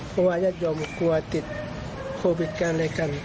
เพราะว่ายายยมกลัวติดอบดิ่ตกันเลยกัน